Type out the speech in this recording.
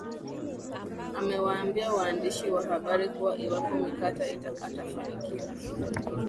amewaambia wandishi wa habari kuwa iwapo mikati atafanikiwa